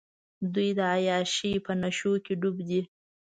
دوۍ د عیاشۍ په نېشوکې ډوب دي.